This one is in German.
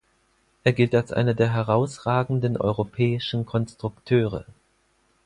Er gilt als einer der herausragenden europäischen Konstrukteure.